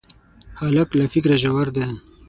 هلک له فکره ژور دی.